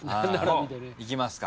いきますか。